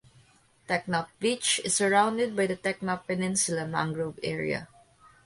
Teknaf beach is surrounded by the Teknaf peninsula mangrove area.